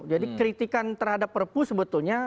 jadi kritikan terhadap perpu sebetulnya